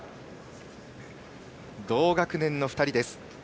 同学年の２人です。